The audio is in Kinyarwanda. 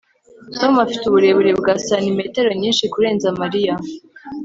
Tom afite uburebure bwa santimetero nyinshi kurenza Mariya